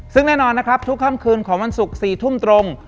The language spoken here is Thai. ซึ่งแน่นอนนะครับทุกค่ำคืนของวันศุกร์๔ทุ่มตรง